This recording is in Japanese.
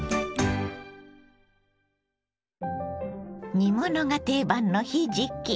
煮物が定番のひじき。